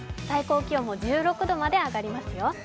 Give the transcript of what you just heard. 最高気温も１６度まで上がりますよ。